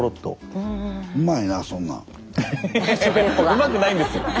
うまくないですよ。